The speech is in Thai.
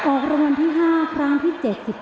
ออกรางวัลที่๕ครั้งที่๗๙